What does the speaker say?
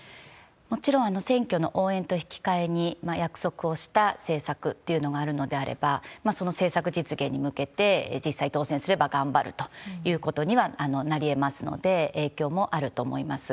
もちろん、選挙の応援と引き換えに約束をした政策っていうのがあるのであれば、その政策実現に向けて、実際当選すれば頑張るということにはなりえますので、影響もあると思います。